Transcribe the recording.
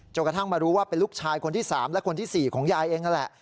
กระทั่งมารู้ว่าเป็นลูกชายคนที่๓และคนที่๔ของยายเองนั่นแหละ